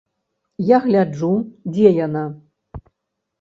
Я гляджу, дзе яна.